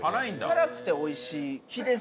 辛くて美味しい。